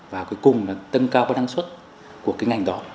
và cuối cùng là tâng cao các năng suất của cái ngành đó